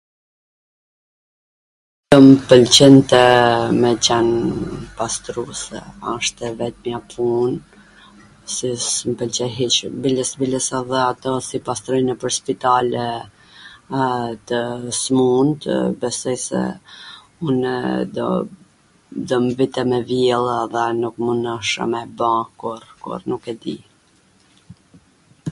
S do m pwlqente me qwn pastruse, asht e vetmja pun si s mw pwlqen hiC mu, biles biles edhe ato si pastrojn nwpwr spitale tw smuntw besoj se unw do m vinte me vjellw dhe nu do mundsha me e ba kurr, kurr, nuk e di.